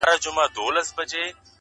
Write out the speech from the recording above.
هر انسان بدلون راوستلی شي.